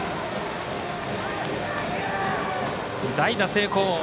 代打成功。